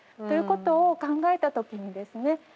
ということを考えた時にですね